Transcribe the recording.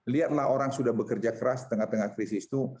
lihatlah orang sudah bekerja keras tengah tengah krisis itu